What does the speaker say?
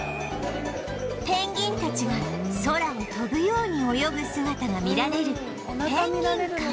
ペンギンたちが空を飛ぶように泳ぐ姿が見られるぺんぎん館